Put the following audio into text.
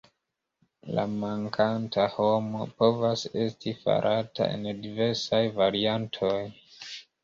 La "mankanta homo" povas esti farata en diversaj variantoj.